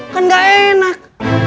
kan gak enak